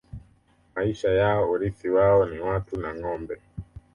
Maisha yao urithi wao ni watu na ngombe